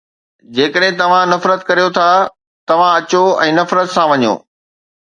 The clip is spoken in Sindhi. جيڪڏھن توھان نفرت ڪريو ٿا، توھان اچو ۽ نفرت سان وڃو